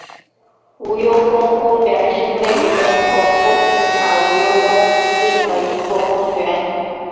无忧宫公园是位于德国波茨坦无忧宫附近的一座公园。